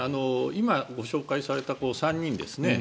今ご紹介された３人ですね